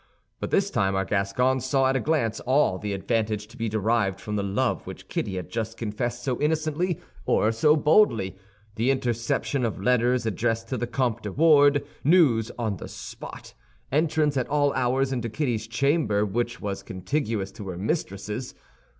But this time our Gascon saw at a glance all the advantage to be derived from the love which Kitty had just confessed so innocently, or so boldly: the interception of letters addressed to the Comte de Wardes, news on the spot, entrance at all hours into Kitty's chamber, which was contiguous to her mistress's.